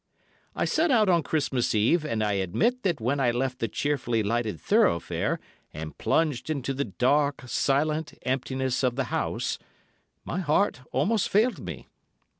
"I set out on Christmas Eve, and I admit that when I left the cheerfully lighted thoroughfare, and plunged into the dark silent emptiness of the house, my heart almost failed me.